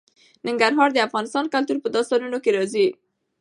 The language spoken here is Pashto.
ننګرهار د افغان کلتور په داستانونو کې راځي.